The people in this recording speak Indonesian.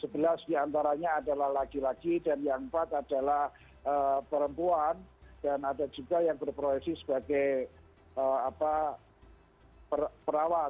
sebelas diantaranya adalah laki laki dan yang empat adalah perempuan dan ada juga yang berproyeksi sebagai perawat